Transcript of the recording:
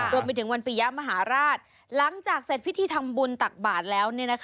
รวมไปถึงวันปียะมหาราชหลังจากเสร็จพิธีทำบุญตักบาทแล้ว